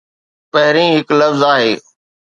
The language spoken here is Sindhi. پهرين هڪ لفظ آهي.